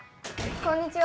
こんにちは。